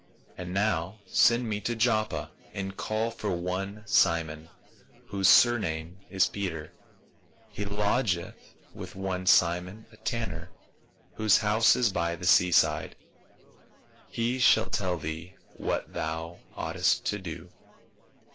And now send men to Joppa, and call for one Simon, whose surname is Peter ; he lodgeth with one Simon, a tanner, whose house is by the sea side : he shall tell thee what thou oughtest to do.'